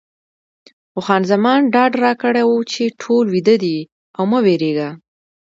خو خان زمان ډاډ راکړی و چې ټول ویده دي او مه وېرېږه.